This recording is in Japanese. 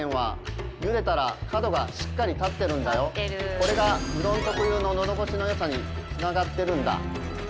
これがうどん特有ののどごしの良さにつながってるんだ。